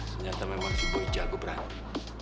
ternyata memang si boy jago berani